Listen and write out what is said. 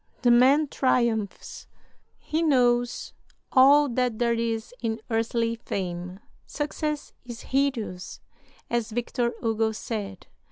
The man triumphs; he knows all that there is in earthly fame. Success is hideous, as Victor Hugo said.